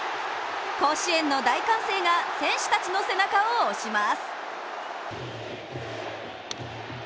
甲子園の大歓声が選手たちの背中を押します。